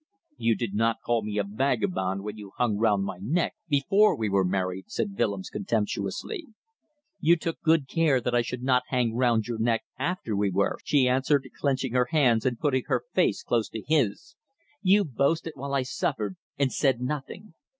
"You did not call me a vagabond when you hung round my neck before we were married," said Willems, contemptuously. "You took good care that I should not hang round your neck after we were," she answered, clenching her hands, and putting her face close to his. "You boasted while I suffered and said nothing.